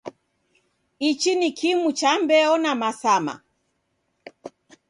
Ichi ni kimu cha mbeo na masama.